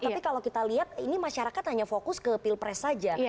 tapi kalau kita lihat ini masyarakat hanya fokus ke pilpres saja